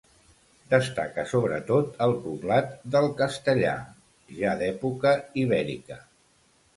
Destaca sobretot el poblat del Castellar, ja d'època ibèrica.